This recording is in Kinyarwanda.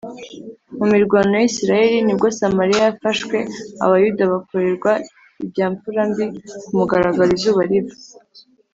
Mu mirwano ya Isirayeli ni bwo Samariya yafashwe abayuda bakorerwa ibyamfurambi ku mugaragaro izuba riva